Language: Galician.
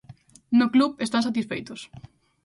No club están satisfeitos.